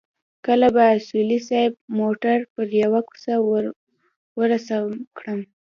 کله به اصولي صیب موټر پر يوه کوڅه ورسم کړ.